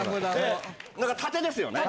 縦ですよね。